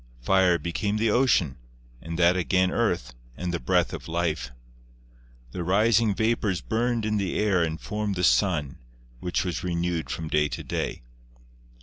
Fire became the ocean, and that again earth, and the breath of life. The rising vapors burned in the air and formed the sun, which was renewed from day to day.